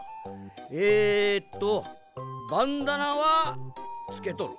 えとバンダナはつけとる。